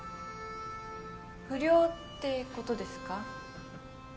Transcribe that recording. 不良ってことですか？